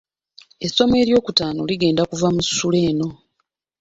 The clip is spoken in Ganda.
essomo eryokutaano ligenda kuva mu ssuula eno.